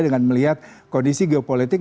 dengan melihat kondisi geopolitik